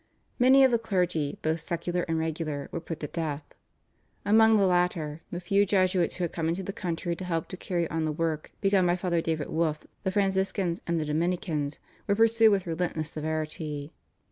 Many of the clergy, both secular and regular, were put to death. Amongst the latter the few Jesuits who had come into the country to help to carry on the work begun by Father David Wolf, the Franciscans, and the Dominicans, were pursued with relentless severity.